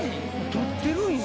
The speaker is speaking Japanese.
取ってるんや。